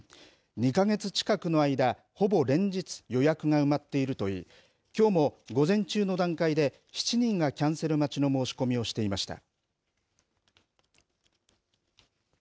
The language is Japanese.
２か月近くの間、ほぼ連日、予約が埋まっているといい、きょうも午前中の段階で、７人がキャンセル待ちの申し込みをしていました。